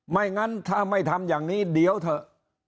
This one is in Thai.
ไม่งั้นถ้าไม่ทำอย่างนี้เดี๋ยวเถอะ